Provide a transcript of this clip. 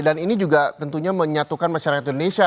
dan ini juga tentunya menyatukan masyarakat indonesia